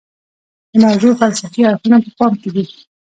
د موضوع فلسفي اړخونه په پام کې دي.